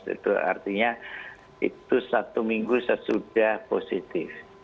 itu artinya itu satu minggu sesudah positif